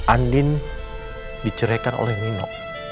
adin dicerahkan oleh nino